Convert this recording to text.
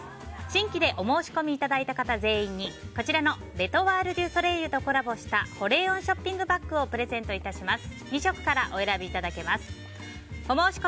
新規でお申し込みいただいた方全員にこちらのレ・トワール・デュ・ソレイユとコラボした保冷温ショッピングバッグをプレゼント致します。